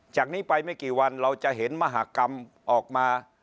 จากนี้ไปไม่กี่วันเราจะเห็นมหากรรมออกมา